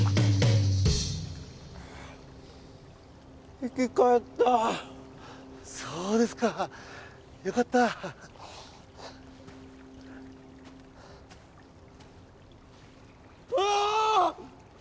生き返ったそうですかよかったあぁーっ！